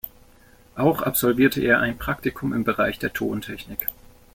Auch absolvierte er ein Praktikum im Bereich der Tontechnik.